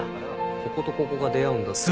こことここが出会うんだったらこう。